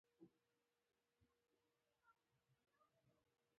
د چین حکومت کمزوری شو.